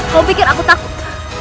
kau pikir aku takut